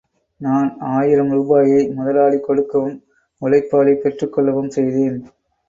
நான் ஆயிரம் ரூபாயை முதலாளி கொடுக்கவும், உழைப்பாளி பெற்றுக்கொள்ளவும் செய்தேன்.